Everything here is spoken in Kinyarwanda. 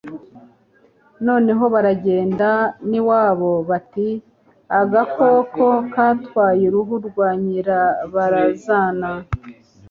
noneho baragenda n'iwabo bati 'agakoko katwaye uruhu rwa nyirabarazana